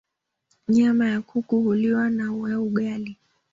nyama ya kuku huliwa na na ugali